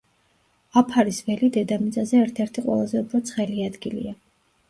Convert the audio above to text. აფარის ველი დედამიწაზე ერთ-ერთი ყველაზე უფრო ცხელი ადგილია.